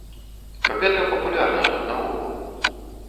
Гэта папулярна тут наогул.